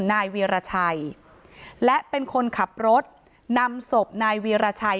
นายวีรชัยและเป็นคนขับรถนำศพนายวีรชัย